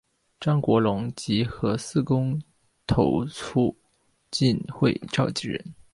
张国龙及核四公投促进会召集人。